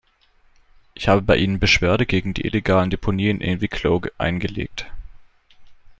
Ich habe bei Ihnen Beschwerde gegen die illegalen Deponien in Wicklow eingelegt.